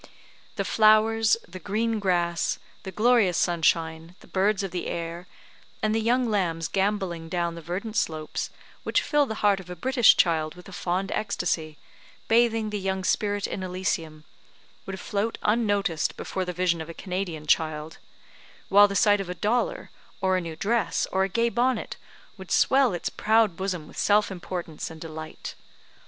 The flowers, the green grass, the glorious sunshine, the birds of the air, and the young lambs gambolling down the verdant slopes, which fill the heart of a British child with a fond ecstacy, bathing the young spirit in Elysium, would float unnoticed before the vision of a Canadian child; while the sight of a dollar, or a new dress, or a gay bonnet, would swell its proud bosom with self importance and delight.